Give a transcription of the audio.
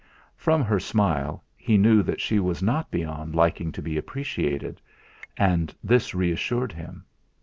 From her smile he knew that she was not beyond liking to be appreciated, and this reassured him.